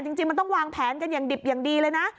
จริงมันต้องวางแผนกันอย่างดิบอย่างดีเลยนะ